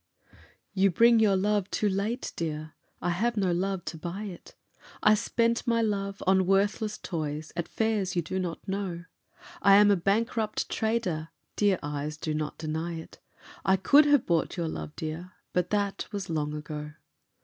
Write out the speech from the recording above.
YOU bring your love too late, dear, I have no love to buy it, I spent my love on worthless toys, at fairs you do not know; I am a bankrupt trader dear eyes, do not deny it, I could have bought your love, dear, but that was long ago.